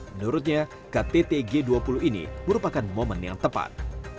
menurutnya ktt g dua puluh ini merupakan momen yang tepat